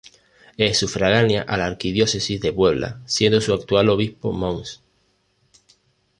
Es sufragánea a la Arquidiócesis de Puebla siendo su actual obispo Mons.